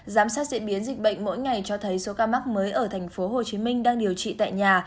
giám sát diễn biến dịch bệnh mỗi ngày cho thấy số ca mắc mới ở tp hcm đang điều trị tại nhà